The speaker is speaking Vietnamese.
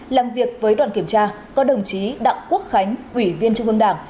làm việc với đoàn kiểm tra có đồng chí đặng quốc khánh ủy viên chương ngương đảng